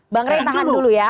bang ray tahan dulu ya